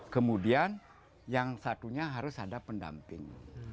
kemudian yang satunya harus ada pendamping